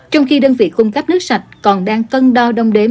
trong khi đơn vị cung cấp nước sạch còn đang cân đo đông đếm